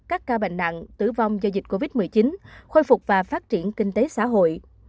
các ca bệnh nặng tử vong do dịch covid một mươi chín khôi phục và phát triển kinh tế xã hội